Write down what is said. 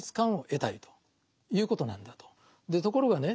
ところがね